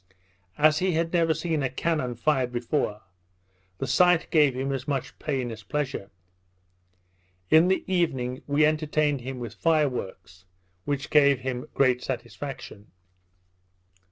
As he had never seen a cannon fired before, the sight gave him as much pain as pleasure. In the evening, we entertained him with fire works, which gave him great satisfaction.